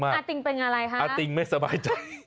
อาติงเป็นอะไรคะอาติงไม่สบายใจ